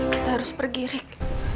kita harus pergi rik